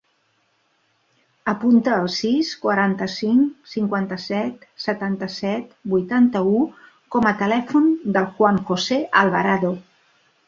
Apunta el sis, quaranta-cinc, cinquanta-set, setanta-set, vuitanta-u com a telèfon del Juan josé Alvarado.